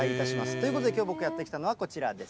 ということで、きょう僕やって来たのはこちらです。